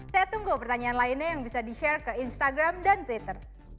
saya tunggu pertanyaan lainnya yang bisa di share ke instagram dan twitter